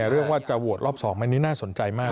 เรื่องว่าจะโหวตรอบ๒อันนี้น่าสนใจมาก